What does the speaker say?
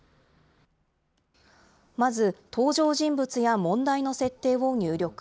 まず、登場人物や問題の設定を入力。